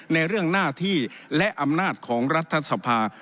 ในเรื่องหน้าที่และอำนาจของรัฐสภา